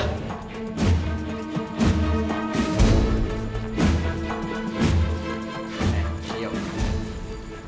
tidak ada yang bisa dibosankan